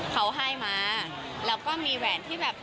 เขาให้มาแล้วก็มีแหวนที่แบบ